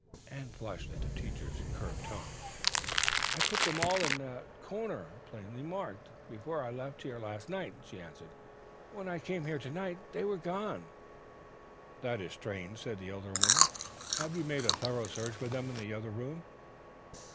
Anne flushed at the teacher's curt tones. "I put them all in that corner, plainly marked, before I left here last night," she answered. "When I came here to night they were gone." "That is strange," said the elder woman. "Have you made a thorough search for them in the other room?"